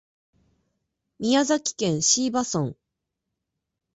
宮崎県椎葉村